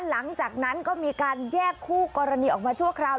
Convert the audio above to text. หลังจากนั้นก็มีการแยกคู่กรณีออกมาชั่วคราว